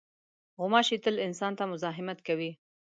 غوماشې تل انسان ته مزاحمت کوي.